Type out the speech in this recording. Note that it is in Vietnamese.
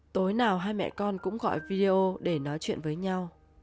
tối nào hai mẹ con cũng gọi video để nói chuyện với nhau